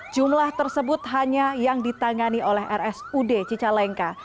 jumlah tersebut hanya yang ditangani oleh rsud cicalengka